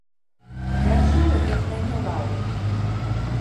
Я чула, як мяне лаялі.